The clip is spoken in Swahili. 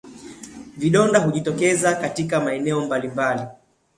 Vidonda hujitokeza katika maeneo mbalimbali